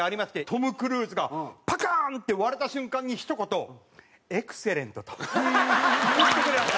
トム・クルーズがパカーンって割れた瞬間にひと言「エクセレント」と言ってくれました。